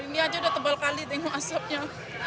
terasa ini aja udah tebal kali tengok asapnya